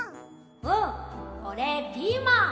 うん！おれピーマン！